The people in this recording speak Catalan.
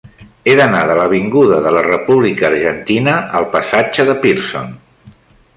He d'anar de l'avinguda de la República Argentina al passatge de Pearson.